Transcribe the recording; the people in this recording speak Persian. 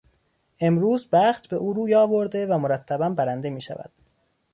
امروز بخت به او روی آورده و مرتبا برنده میشود.